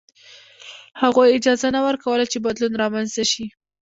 هغوی اجازه نه ورکوله چې بدلون رامنځته شي.